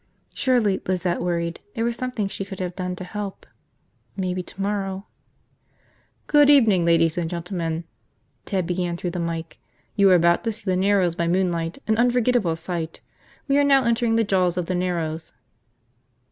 Surely, Lizette worried, there was something she could have done to help. Maybe tomorrow ... "Good evening, ladies and gentlemen," Ted began through the mike. "You are about to see the Narrows by moonlight, an unforgettable sight. We are now entering the Jaws of the Narrows.